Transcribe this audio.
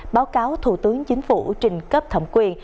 báo cáo thủ tướng chính phủ trình cấp thẩm quyền